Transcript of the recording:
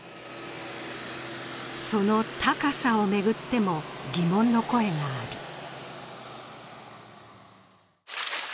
その高さを巡っても、疑問の声がある。